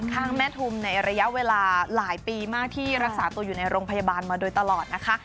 ข้างแม่ทุมในระยะเวลาหลายปีมากที่รักษาตัวอยู่ในโรงพยาบาลมาโดยตลอดนะคะ